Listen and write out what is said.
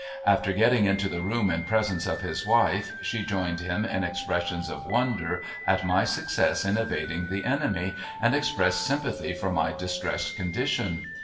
After getting into the room in presence of his wife, she joined him in expressions of wonder at my success in evading the enemy and expressed sympathy for my distressed condition.